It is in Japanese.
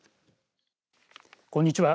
こんにちは。